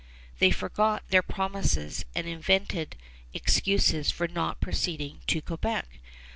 They forgot their promises and invented excuses for not proceeding to Quebec.